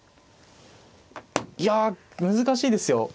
いや難しいですよ。